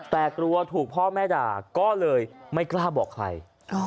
แต่กลัวถูกพ่อแม่ด่าก็เลยไม่กล้าบอกใคร